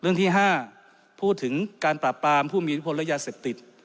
เรื่องที่ห้าพูดถึงการปรับปรามผู้มีลิทธิพลระยะเสพติด